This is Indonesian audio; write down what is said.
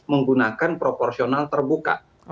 menggunakan proporsional terbuka